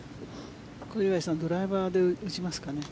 小祝さん、ドライバーで打ちますかね？